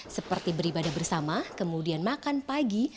seperti beribadah bersama kemudian makan pagi